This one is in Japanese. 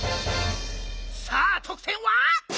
さあとくてんは？